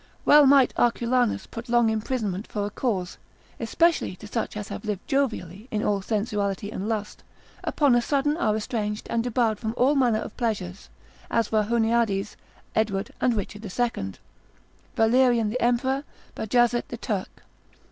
Well might Arculanus put long imprisonment for a cause, especially to such as have lived jovially, in all sensuality and lust, upon a sudden are estranged and debarred from all manner of pleasures: as were Huniades, Edward, and Richard II., Valerian the Emperor, Bajazet the Turk.